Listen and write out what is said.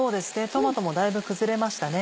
トマトもだいぶ崩れましたね。